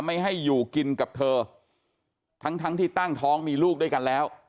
ไม่ให้อยู่กินกับเธอทั้งทั้งที่ตั้งท้องมีลูกด้วยกันแล้ว